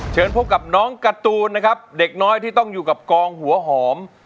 เชิญพบกับน้องการ์ตูนนะครับเด็กน้อยที่ต้องอยู่กับกองหัวหอม